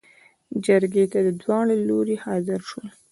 جرګې ته داوړه لورې حاضر شول.